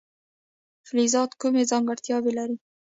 فلزات کومې ځانګړتیاوې لري.